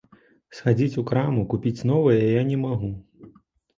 Схадзіць у краму купіць новыя я не магу.